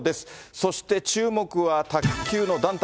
そして注目は卓球の団体。